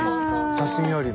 刺し身よりも。